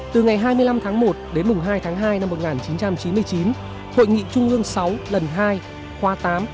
từ ngày hai mươi năm tháng một đến hai tháng hai năm một nghìn chín trăm chín mươi chín hội nghị trung ương sáu lần hai khoa tám